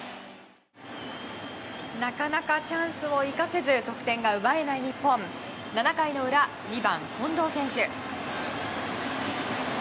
なかなかチャンスを生かせず得点が奪えない日本、７回の裏２番、近藤選手。